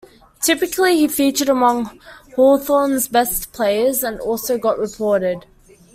Typically, he featured among Hawthorn's best players and also got reported.